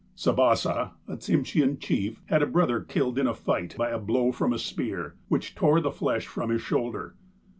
Sebassah, a Tsimshean chief, had a brother killed in a fight by a blow from a spear, which tore the flesh from his shoulder.